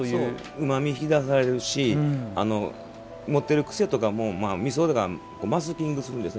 うまみが引き出されるし持っているくせとかもみそがマスキングするんですね。